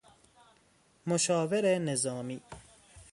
مشاور نظامی